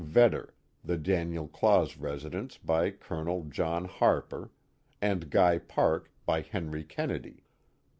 Vedder, the Daniel Claus residence by Col. John Harper, and Guy Park by Henry Kennedy.